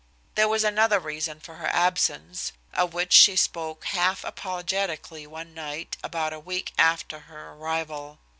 There was another reason for her absence, of which she spoke half apologetically one night, about a week after her arrival.